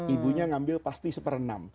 ibunya ngambil pasti seperenam